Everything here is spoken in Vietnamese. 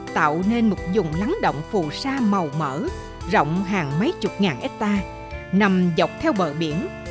tạo nên một dùng lắng động phù sa màu mở rộng hàng mấy chục ngàn hectare nằm dọc theo bờ biển